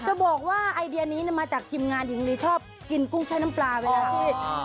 จะบอกว่าไอเดียนี้มาจากทีมงานหญิงลีชอบกินกุ้งใช้น้ำปลาเวลาที่